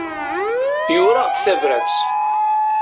Yura-aɣ-d tabrat.